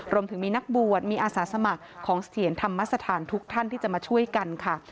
รวมถึงมีนักบวชมีอาสาสมัครของเสถียรธรรมสถานทุกท่านที่จะมาช่วยกันค่ะ